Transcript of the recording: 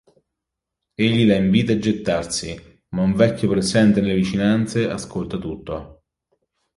Egli la invita a gettarsi, ma un vecchio presente nelle vicinanze ascolta tutto.